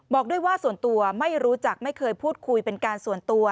บอกด้วยว่าส่วนตัวไม่รู้จักไม่เคยพูดคุยเป็นการส่วนตัว